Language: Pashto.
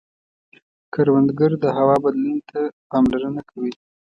کروندګر د هوا بدلون ته پاملرنه کوي